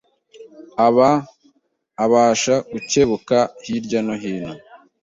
aba abasha gucyebuka hirya no hino,